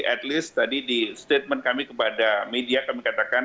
at least tadi di statement kami kepada media kami katakan